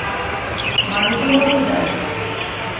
মানে তো মতি জানে না।